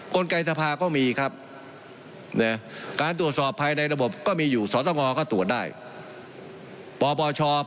กลกรณ์ไกรสภาก็มีครับ